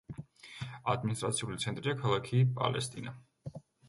ადმინისტრაციული ცენტრია ქალაქი პალესტინა.